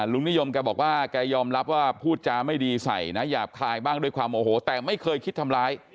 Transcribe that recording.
ลุงนิยมแกบอกว่าแกยอมรับว่าพูดจาไม่ดีใส่นะหยาบคายบ้างด้วยความโอโหแต่ไม่เคยคิดทำร้าย